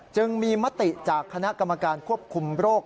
จึงมีมติจากคณะกรรมการควบคุมโรค